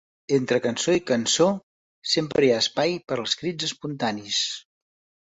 Entre cançó i cançó sempre hi ha espai per als crits espontanis.